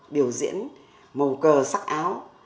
điều diễn màu cờ sắc áo